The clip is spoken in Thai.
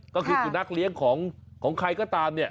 ก็คิดสุนัขเลี้ยงของใครก็ตาม